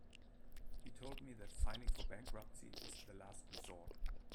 He told me that filing for bankruptcy is the last resort.